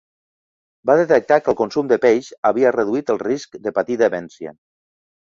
Va detectar que el consum de peix havia reduït el risc de patir demència.